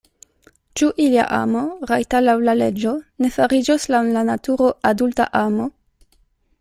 Ĉu ilia amo, rajta laŭ la leĝo, ne fariĝos laŭ la naturo adulta amo?